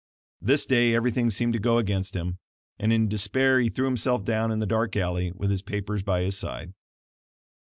This day everything seemed to go against him, and in despair he threw himself down in the dark alley, with his papers by his side.